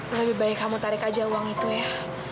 lebih baik kamu tarik aja uang itu ya